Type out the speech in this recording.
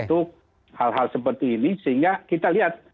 untuk hal hal seperti ini sehingga kita lihat